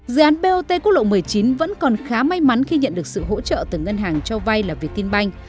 dự án bot quốc lộ một mươi chín vẫn còn khá may mắn khi nhận được sự hỗ trợ từ ngân hàng cho vay là việt tiên banh